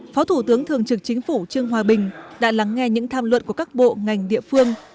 phó thủ tướng thường trực chính phủ trương hòa bình đã lắng nghe những tham luận của các bộ ngành địa phương